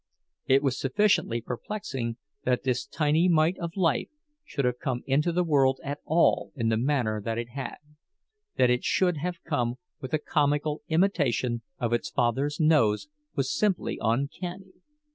It was sufficiently perplexing that this tiny mite of life should have come into the world at all in the manner that it had; that it should have come with a comical imitation of its father's nose was simply uncanny.